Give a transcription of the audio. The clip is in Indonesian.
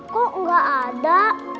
kok gak ada